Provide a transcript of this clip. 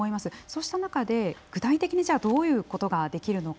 そうした中で具体的にじゃあどういうことができるのか。